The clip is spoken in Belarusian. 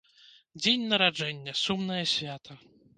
Дзень нараджэння, сумнае свята!